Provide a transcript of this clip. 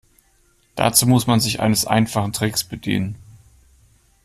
Dazu muss man sich eines einfachen Tricks bedienen.